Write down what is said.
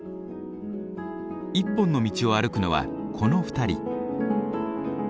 一本の道を歩くのはこの２人。